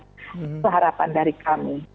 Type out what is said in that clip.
keharapan dari kami